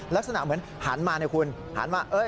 ลักษณะเหมือนหันมานะคุณหันมา